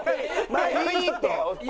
いいって！